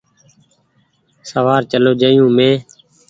سوآر چلو جآيو مينٚ